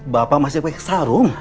bapak masih pakai sarung